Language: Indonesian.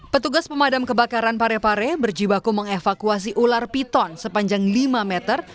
petugas pemadam kebakaran parepare berjibaku mengevakuasi ular piton sepanjang lima meter